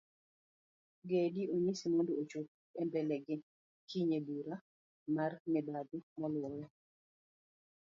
Gedi onyis mondo ochop embelegi kiny ebura mar mibadhi maluore